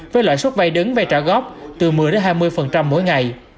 với lãi suất vay đứng vay trả góp từ một mươi hai mươi mỗi ngày